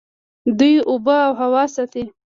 دوی اوبه او هوا ساتي.